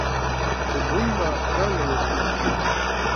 سے بُھوم ما گال وڑُودُود۔